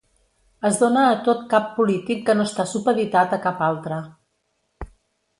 Es dóna a tot cap polític que no està supeditat a cap altre.